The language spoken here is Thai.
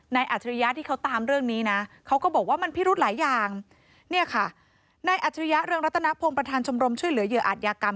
นี่ค่ะในอัจฉุยะเรื่องลัตนาพวงประธานชมรมช่วยเหลือเหยื่ออาจยากรรม